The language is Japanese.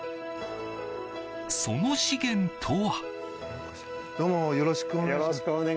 その資源とは。